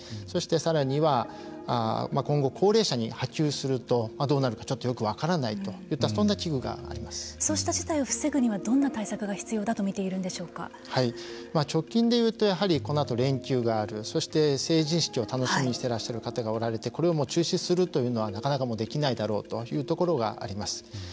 そして、さらには今後、高齢者に波及するとどうなるかちょっとよく分からないといったそうした事態を防ぐためにはどんな対策が直近で言うとこのあと連休があるそして成人式を楽しみにしていらっしゃる方がおられてこれを中止するというのはなかなかできないだろうというところがあります。